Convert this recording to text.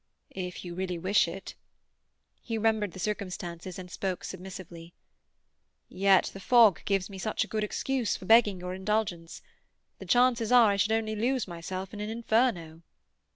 "If you really wish it." He remembered the circumstances and spoke submissively. "Yet the fog gives me such a good excuse for begging your indulgence. The chances are I should only lose myself in an inferno."